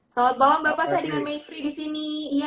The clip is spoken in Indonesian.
selamat malam bapak saya dengan mayfrey di sini